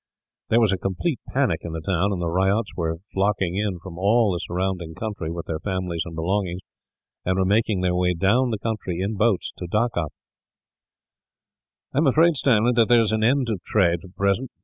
There was a complete panic in the town, and the ryots were flocking in from all the surrounding country, with their families and belongings; and were making their way down the country, in boats, to Dacca. "I am afraid, Stanley, there is an end of trade, for the present.